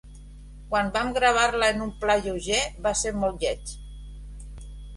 Quan vam gravar-la en un pla lleuger, va ser molt lleig.